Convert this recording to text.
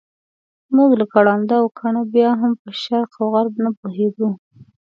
موږ لکه ړانده او کاڼه بیا هم په شرق او غرب نه پوهېدو.